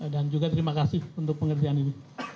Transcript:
dan juga terima kasih untuk pengertian ini